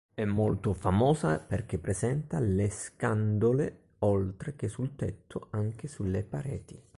È molto famosa perché presenta le scandole, oltre che sul tetto, anche sulle pareti.